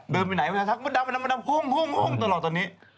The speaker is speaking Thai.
เดินไปไหนมดดำห่มตลอดตอนนี้